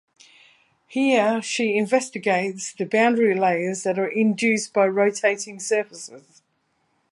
Here she investigates the boundary layers that are induced by rotating surfaces.